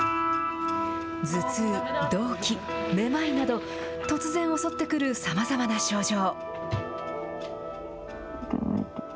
頭痛、どうき、めまいなど、突然襲ってくるさまざまな症状。